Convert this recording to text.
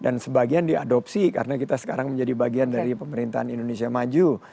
dan sebagian diadopsi karena kita sekarang menjadi bagian dari pemerintahan indonesia maju